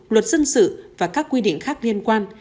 luật dân sự và các quy định khác liên quan